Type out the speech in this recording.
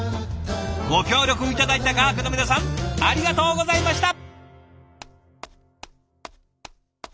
ご協力頂いた画伯の皆さんありがとうございました。